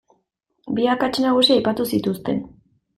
Bi akats nagusi aipatu zituzten.